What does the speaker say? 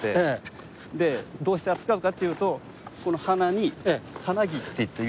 でどうして扱うかっていうとこの鼻に鼻木っていうんですけど。